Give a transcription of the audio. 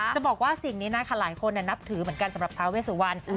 จะบอกว่าสิ่งนี้นะคะหลายคนนับถือเหมือนกันสำหรับทาเวสุวรรณ